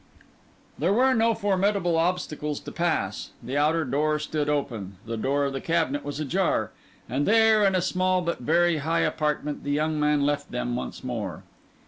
There were no formidable obstacles to pass. The outer door stood open; the door of the cabinet was ajar; and there, in a small but very high apartment, the young man left them once more.